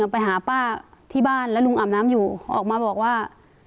ไปหาป้าที่บ้านแล้วลุงอาบน้ำอยู่ออกมาบอกว่า